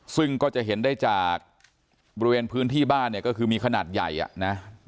ซึ่งก็จะเห็นได้จากบริเวณพื้นที่บ้านเนี่ยก็คือมีขนาดใหญ่อ่ะนะ